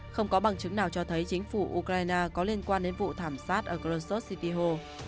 không có bằng chứng nào cho thấy chính phủ ukraine có liên quan đến vụ thảm sát ở krosos city ho